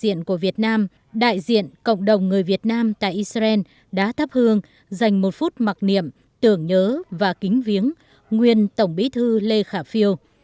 đại diện của việt nam đại diện cộng đồng người việt nam tại israel đã thắp hương dành một phút mặc niệm tưởng nhớ và kính viếng nguyên tổng bí thư lê khả phiêu